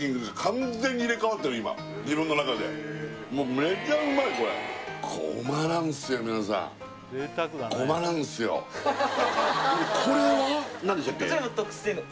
完全に入れ替わってる今自分の中でもうめちゃうまいこれこれは？何でしたっけ？